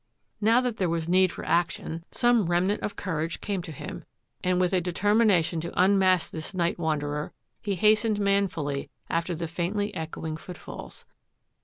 Now that there was need for action some rem MORE MYSTERY 76 nant of courage came to him, and, with a deter mination to immask this night wanderer, he hastened manfully after the faintly echoing foot falls.